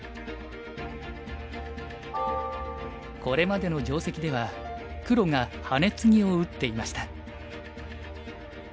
これまでの定石では黒がハネツギを打っていました。